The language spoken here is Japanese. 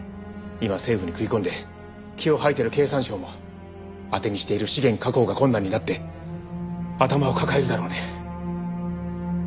今政府に食い込んで気を吐いてる経産省も当てにしている資源確保が困難になって頭を抱えるだろうね。